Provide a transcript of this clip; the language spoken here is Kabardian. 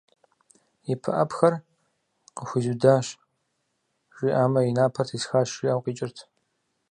«И пыӀэпхэр къыхуизудащ» жиӀамэ, «и напэр тесхащ» жиӀэу къикӀырт.